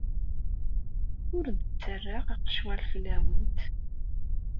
Ur d-ttarraɣ aqecwal fell-awent.